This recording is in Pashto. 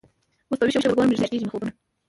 اوس په ویښه ورته ګورم ریشتیا کیږي مي خوبونه